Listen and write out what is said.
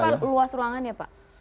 berapa luas ruangan ya pak